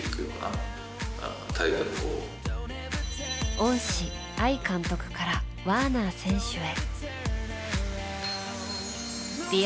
恩師・相監督からワーナー選手へ。